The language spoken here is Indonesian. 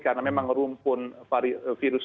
karena memang rumpun virus